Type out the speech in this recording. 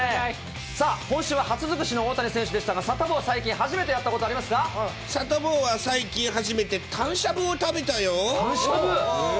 さあ、今週は初尽くしの大谷選手でしたが、サタボー、最近初めて、サタボーは最近、初めてタンしゃぶを食べたよ。